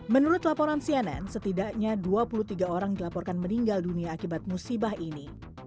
menurut laporan cnn setidaknya dua puluh tiga orang dilaporkan meninggal dunia akibat musibah ini